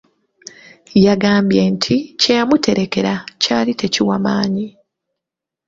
Yangambye nti kye yamuterekera kyali tekiwa maanyi.